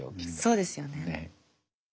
そうですよね。